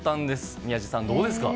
宮司さん、どうですか？